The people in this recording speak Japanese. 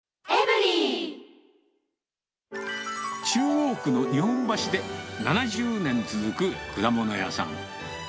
中央区の日本橋で、７０年続く果物屋さん。